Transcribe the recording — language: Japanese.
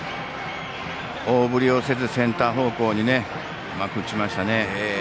大振りせずセンター方向にうまく打ちましたね。